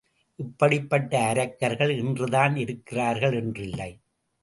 இப்படிப்பட்ட அரக்கர்கள் இன்றுதான் இருக்கிறார்கள் என்றில்லை.